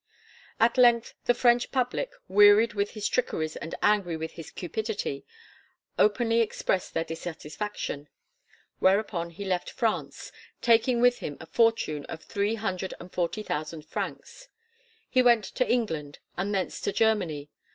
At length the French public, wearied with his trickeries and angry with his cupidity, openly expressed their dissatisfaction. Whereupon he left France, taking with him a fortune of three hundred and forty thousand francs. He went to England and thence to Germany.